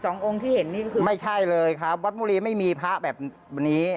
องค์ที่เห็นนี่ก็คือไม่ใช่เลยครับวัดบุรีไม่มีพระแบบนี้